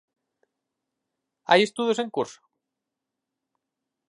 Hai estudos en curso?